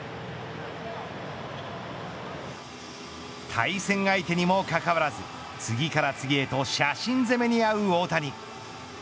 対戦相手にもかかわらず次から次へと写真攻めにあう大谷。